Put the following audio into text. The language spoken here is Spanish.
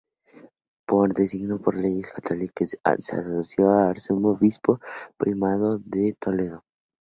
Por designio de los Reyes Católicos se asoció al Arzobispo Primado de Toledo.